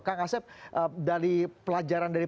kang asep dari pelajaran dari